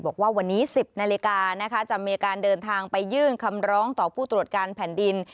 บอกว่าวันนี้๑๐นาฬิกานะคะจะมีการเดินทางไปยื่นคำร้องต่อผู้ตรวจการแผ่นดิน